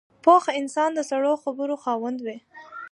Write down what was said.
پوخ انسان د سړو خبرو خاوند وي